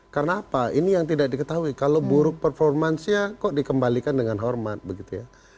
karena apa ini yang tidak diketahui kalau buruk performansnya kok dikembalikan dengan hormat begitu ya